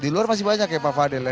di luar masih banyak ya pak fadel